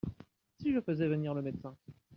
Si je faisais venir le médecin ?